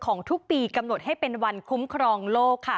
ทุกปีกำหนดให้เป็นวันคุ้มครองโลกค่ะ